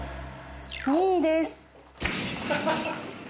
２位です。